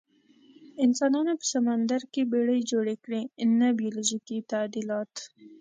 انسانانو په سمندر کې بیړۍ جوړې کړې، نه بیولوژیکي تعدیلات.